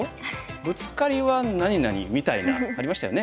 ブツカリは何々みたいなありましたよね。